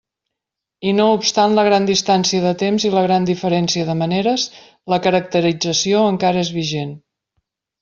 I no obstant la gran distància de temps i la gran diferència de maneres, la caracterització encara és vigent.